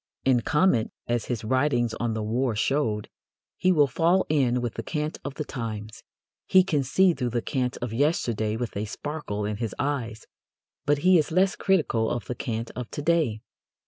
In comment, as his writings on the war showed, he will fall in with the cant of the times. He can see through the cant of yesterday with a sparkle in his eyes, but he is less critical of the cant of to day.